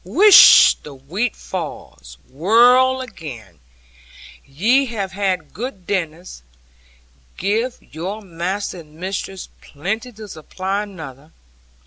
Whish, the wheat falls! Whirl again; ye have had good dinners; give your master and mistress plenty to supply another year.